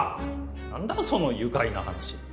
なんだその愉快な話。